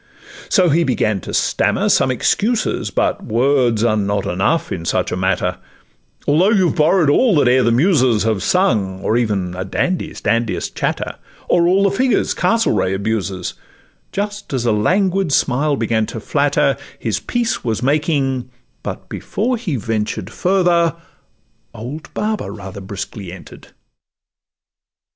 So he began to stammer some excuses; But words are not enough in such a matter, Although you borrow'd all that e'er the muses Have sung, or even a Dandy's dandiest chatter, Or all the figures Castlereagh abuses; Just as a languid smile began to flatter His peace was making, but before he ventured Further, old Baba rather briskly enter'd.